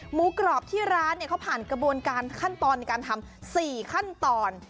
หมูกรอบที่ร้านเขาผ่านกระบวนการขั้นตอนในการทำ๔ขั้นตอน